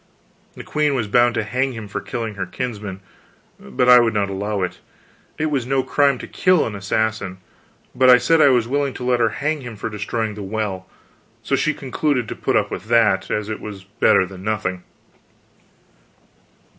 The queen was bound to hang him for killing her kinsman, but I would not allow it: it was no crime to kill an assassin. But I said I was willing to let her hang him for destroying the well; so she concluded to put up with that, as it was better than nothing.